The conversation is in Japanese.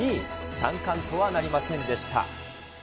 ３冠とはなりませんでした。